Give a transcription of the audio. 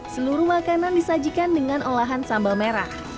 seluruh makanan disajikan dengan olahan sambal merah